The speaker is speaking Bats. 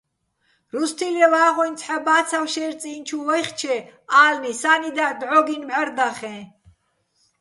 რუსთილეჼ ვა́ღუჲნი ცჰ̦ა ბა́ცავ შეჲრი̆ წი́ნი̆ ჩუ ვაჲხჩე, ა́ლნი, სა́ნი დაჰ̦ დჵო́გინო̆ ბჵარდახეჼ.